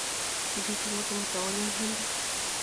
دوی د ځمکو متولیان هم دي.